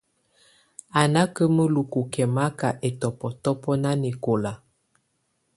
Á nà ka mǝ́lukù kɛ̀maka ɛtɔbɔtɔbɔ nanɛkɔla.